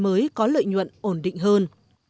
mới có lợi nhuận ổn định hơn